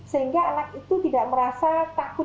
sehingga anak itu tidak merasa takut juga kalau dia pakai masker